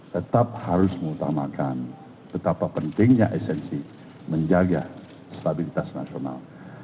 tetap harus mengutamakan betapa pentingnya esensi menjaga stabilitas nasional